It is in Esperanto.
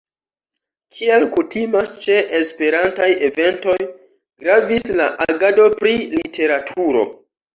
Kiel kutimas ĉe esperantaj eventoj gravis la agado pri literaturo.